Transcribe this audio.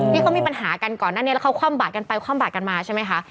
ที่เขามีปัญหากันก่อนหน้านี้แล้วเขาคว่ำบาดกันไปคว่ำบาดกันมาใช่ไหมคะ